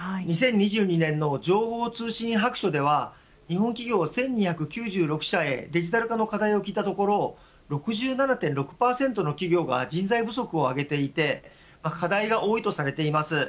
２０２２年の情報通信白書では日本企業１２９６社へデジタル化の課題を聞いたところ６７．６％の企業が人材不足を挙げていて課題が多いとされています。